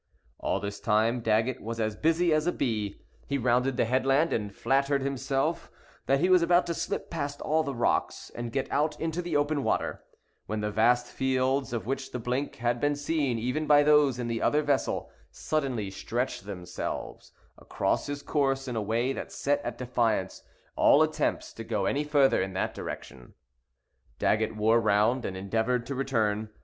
All this time Daggett was as busy as a bee. He rounded the headland, and flattered himself that he was about to slip past all the rocks, and get out into open water, when the vast fields of which the blink had been seen even by those in the other vessel, suddenly stretched themselves across his course in a way that set at defiance all attempts to go any farther in that direction. Daggett wore round, and endeavored to return.